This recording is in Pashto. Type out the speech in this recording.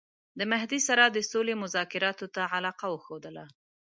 د مهدي سره د سولي مذاکراتو ته علاقه وښودله.